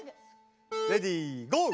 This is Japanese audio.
レディーゴー！